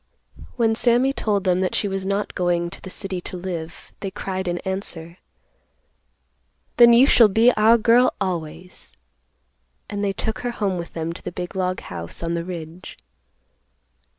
When Sammy told them that she was not going to the city to live, they cried in answer, "Then you shall be our girl always," and they took her home with them to the big log house on the ridge.